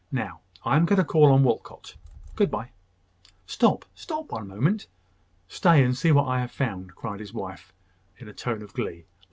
Now, I am going to call on Walcot. Good bye." "Stop, stop one moment! Stay, and see what I have found!" cried his wife, in a tone of glee.